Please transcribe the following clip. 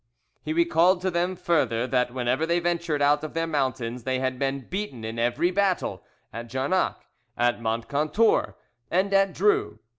He recalled to them further that whenever they ventured out of their mountains they had been beaten in every battle, at Jarnac, at Moncontour, and at Dreux.